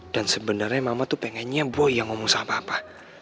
dan sebenarnya mama tuh pengennya boy yang ngomong sama papa